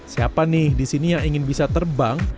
siapa nih di sini yang ingin bisa terbang